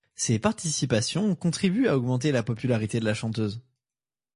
Ces participations contribuent à augmenter la popularité de la chanteuse.